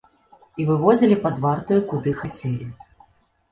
І вывозілі пад вартаю куды хацелі.